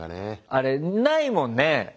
あれないもんね